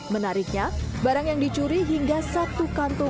menariknya barang yang dicuri hingga satu kantong